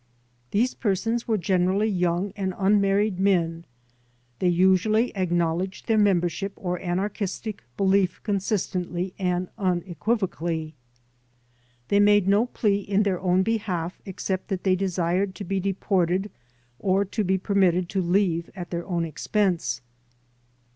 These persons were generally young and unmarried men; they usually acknowledged their membership or anarchistic belief consistently and unequivocally. They made no plea in their own behalf except that they desired to be deported or to be permitted to leave at their own expense.